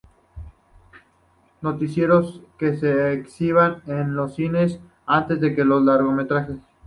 Noticieros que se exhibían en los cines antes que los largometrajes.